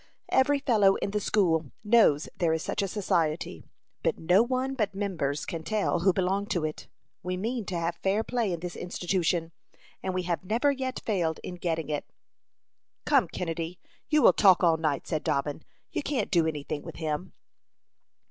Every fellow in the school knows there is such a society, but no one but members can tell who belong to it. We mean to have fair play in this institution, and we have never yet failed in getting it." "Come, Kennedy, you will talk all night," said Dobbin. "You can't do any thing with him."